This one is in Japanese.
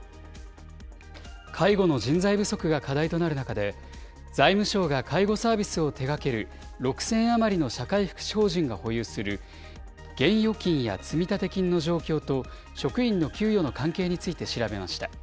介護の人材不足が課題となる中で、財務省が、介護サービスを手がける６０００余りの社会福祉法人が保有する、現預金や積立金の状況と職員の給与の関係について調べました。